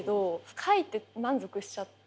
書いて満足しちゃって。